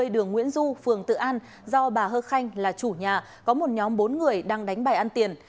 do bà hơ khanh là chủ nhà có một nhóm bốn người đang đánh bài ăn tiền